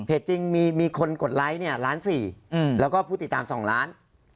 จริงมีคนกดไลค์เนี่ยล้าน๔แล้วก็ผู้ติดตาม๒ล้าน